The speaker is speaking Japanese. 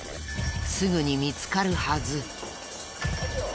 すぐに見つかるはず。